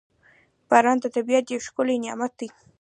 • باران د طبیعت یو ښکلی نعمت دی.